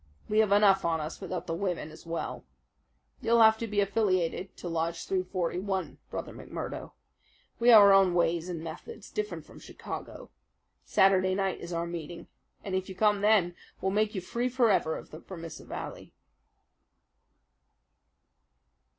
We have enough on us, without the women as well. You'll have to be affiliated to Lodge 341, Brother McMurdo. We have our own ways and methods, different from Chicago. Saturday night is our meeting, and if you come then, we'll make you free forever of the Vermissa Valley."